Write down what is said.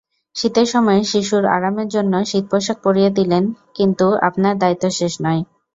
শীতের সময়ে শিশুর আরামের জন্য শীতপোশাক পরিয়ে দিলেই কিন্তু আপনার দায়িত্ব শেষ নয়।